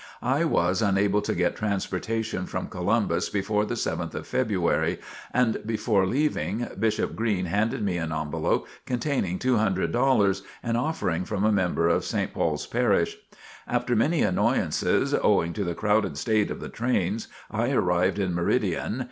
I was unable to get transportation from Columbus before the 7th of February, and before leaving, Bishop Green handed me an envelope containing two hundred dollars, an offering from a member of St. Paul's Parish. After many annoyances, owing to the crowded state of the trains, I arrived in Meridian.